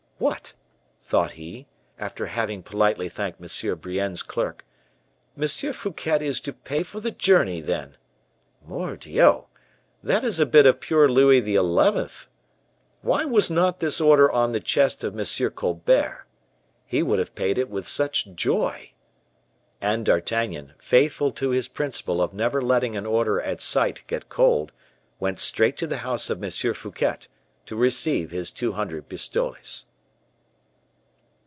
"What!" thought he, after having politely thanked M. Brienne's clerk, "M. Fouquet is to pay for the journey, then! Mordioux! that is a bit of pure Louis XI. Why was not this order on the chest of M. Colbert? He would have paid it with such joy." And D'Artagnan, faithful to his principle of never letting an order at sight get cold, went straight to the house of M. Fouquet, to receive his two hundred pistoles.